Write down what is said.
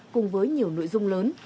cùng với nhiều nội dung lớn